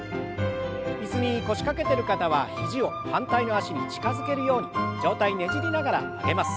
椅子に腰掛けてる方は肘を反対の脚に近づけるように上体ねじりながら曲げます。